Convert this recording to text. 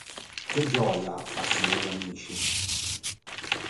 Che gioia, farsi nuovi amici!